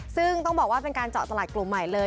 ซึ่งต้องบอกว่าเป็นการเจาะตลาดกลุ่มใหม่เลย